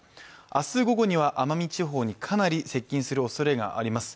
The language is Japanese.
明日午後には奄美地方にかなり接近するおそれがあります。